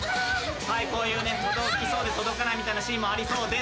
こういう届きそうで届かないみたいなシーンもありそうです。